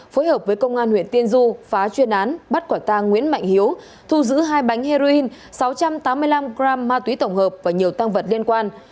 phối hợp với công an huyện tiên du phá chuyên án bắt quả tang nguyễn mạnh hiếu thu giữ hai bánh heroin sáu trăm tám mươi năm g ma túy tổng hợp và nhiều tăng vật liên quan